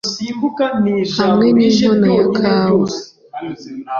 hamwe n'inkono ya kawa